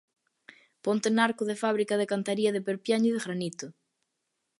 Ponte en arco de fábrica de cantaría de perpiaño de granito.